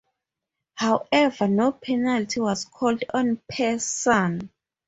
However no penalty was called on Pearson.